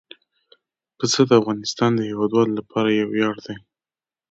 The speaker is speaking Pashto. پسه د افغانستان د هیوادوالو لپاره یو ویاړ دی.